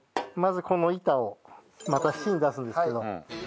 まずこの板をまた芯出すんですけど。